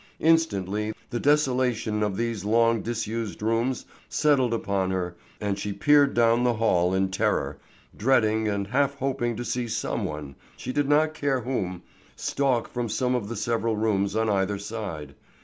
Instantly the desolation of these long disused rooms settled upon her, and she peered down the hall in terror, dreading and half hoping to see some one, she did not care whom, stalk from some of the several rooms on either side.